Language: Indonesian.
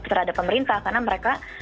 terhadap pemerintah karena mereka